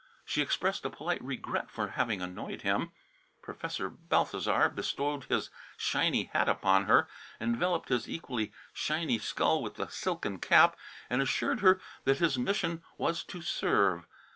She expressed a polite regret for having annoyed him. Professor Balthasar bestowed his shiny hat upon her, enveloped his equally shiny skull with the silken cap and assured her that his mission was to serve.